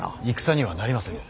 戦にはなりませぬ。